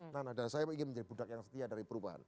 nah dan saya ingin menjadi budak yang setia dari perubahan